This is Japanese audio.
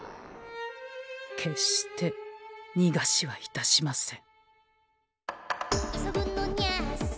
決してにがしはいたしません。